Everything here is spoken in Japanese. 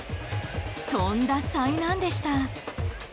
とんだ災難でした。